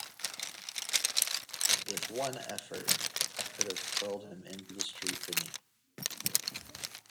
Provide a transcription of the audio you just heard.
With one effort, I could have hurled him into the street beneath.